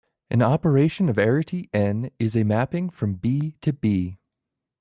An operation of arity "n" is a mapping from "B" to "B".